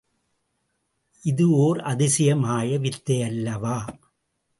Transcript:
இது ஓர் அதிசய மாய வித்தையல்லவா?